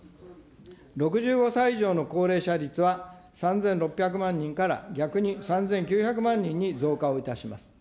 ６５歳以上の高齢者率は３６００万人から逆に３９００万人に増加をいたします。